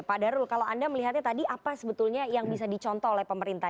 pak darul kalau anda melihatnya tadi apa sebetulnya yang bisa dicontoh oleh pemerintah